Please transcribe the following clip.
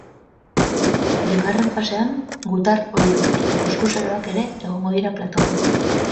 Bigarren fasean, gutar ohiak eta kuxkuxeroak ere egongo dira platoan.